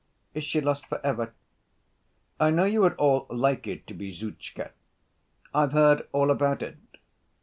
"Is she lost for ever?" "I know you would all like it to be Zhutchka. I've heard all about it."